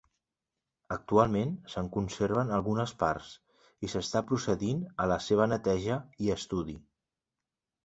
Actualment se'n conserven algunes parts i s'està procedint a la seva neteja i estudi.